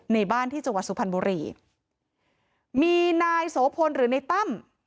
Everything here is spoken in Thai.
ในบ้านที่จังหวัดสุพรรณบุรีมีนายโสพลหรือในตั้ม